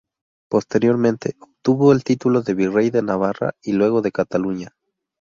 Posteriormente obtuvo el título de virrey de Navarra y luego de Cataluña.